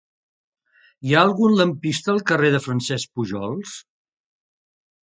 Hi ha algun lampista al carrer de Francesc Pujols?